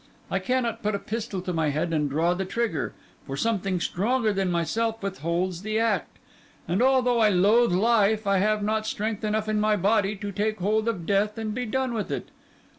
I cannot put a pistol to my head and draw the trigger; for something stronger than myself withholds the act; and although I loathe life, I have not strength enough in my body to take hold of death and be done with it.